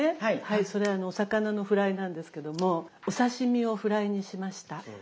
それあのお魚のフライなんですけどもお刺身をフライにしました。